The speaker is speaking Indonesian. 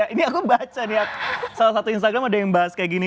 ini aku baca nih salah satu instagram ada yang bahas kayak gini